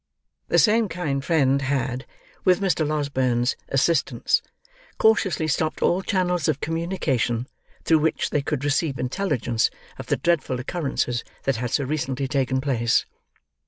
The same kind friend had, with Mr. Losberne's assistance, cautiously stopped all channels of communication through which they could receive intelligence of the dreadful occurrences that so recently taken place.